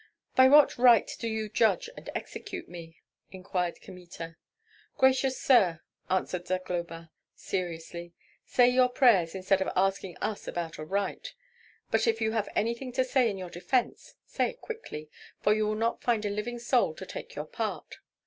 "By what right do you judge and execute me?" inquired Kmita. "Gracious sir," answered Zagloba, seriously, "say your prayers instead of asking us about a right. But if you have anything to say in your defence, say it quickly, for you will not find a living soul to take your part.